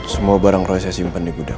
semua barang roy saya simpan di gudang